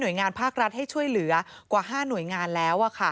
โดยงานภาครัฐให้ช่วยเหลือกว่า๕หน่วยงานแล้ว